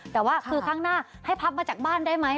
แต่ว่าคือครั้งหน้าให้พับมาจากบ้านได้ไหม